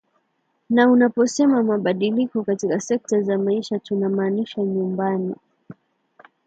na unaposema mabadiliko katika sekta za maisha tunamaanisha nyumbani